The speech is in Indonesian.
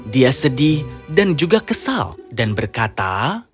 dia sedih dan juga kesal dan berkata